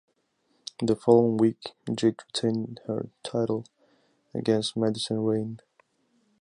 The following week, Jade retained her title against Madison Rayne.